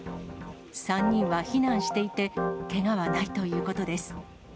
３人は避難していて、けがはないということです。